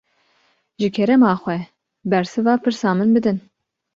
Ji kerema xwe, bersiva pirsa min bidin